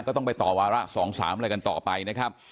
ก็ต้องไปต่อวาระ๒๓อะไรกันต่อไปนะครับ